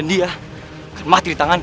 dan dia akan mati di tanganku